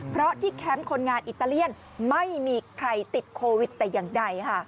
เพราะที่แคมป์คนงานอิตาเลียนไม่มีใครติดโควิดแต่อย่างใดค่ะ